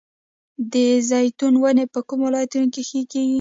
د زیتون ونې په کومو ولایتونو کې ښه کیږي؟